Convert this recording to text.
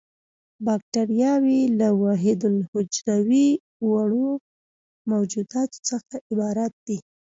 باکټریاوې له وحیدالحجروي وړو موجوداتو څخه عبارت دي.